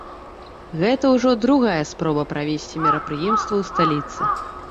Гэта ўжо другая спроба правесці мерапрыемства ў сталіцы.